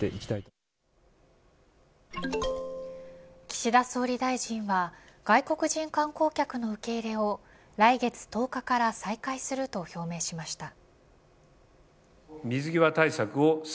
岸田総理大臣は外国人観光客の受け入れを来月１０日から再開すると表明しました。